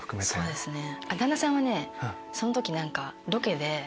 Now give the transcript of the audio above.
そうですね。